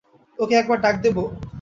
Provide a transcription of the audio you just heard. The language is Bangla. ওকে একবার ডাক দেব?